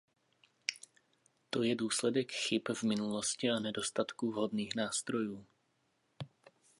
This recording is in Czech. To je důsledek chyb v minulosti a nedostatku vhodných nástrojů.